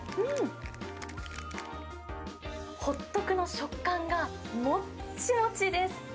ホットクの食感がもっちもちです。